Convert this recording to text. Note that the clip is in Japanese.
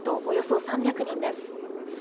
およそ３００人です。